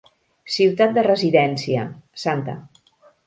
Ciutat de residència: Santa